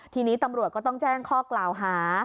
ทีนี้ตำรวจก็ต้องแจ้งข้อกล่าวหา